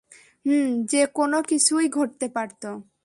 হুম, যে কোনও কিছুই ঘটতে পারত।